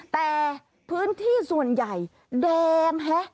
แต่พื้นที่ส่วนใหญ่แดงแฮะ